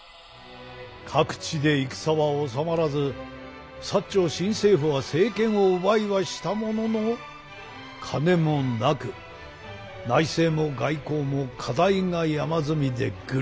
各地で戦は収まらず長新政府は政権を奪いはしたものの金もなく内政も外交も課題が山積みでグラグラだ。